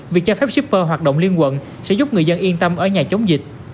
việc cho phép shipper hoạt động liên quận sẽ giúp người dân yên tâm ở nhà chống dịch